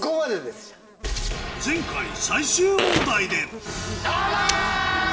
前回最終問題であ！